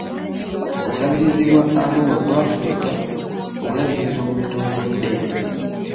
Obulabirizi bwa Arua bwafuuka obulabirizi obwetongodde.